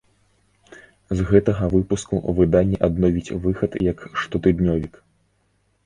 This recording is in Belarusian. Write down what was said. З гэтага выпуску выданне адновіць выхад як штотыднёвік.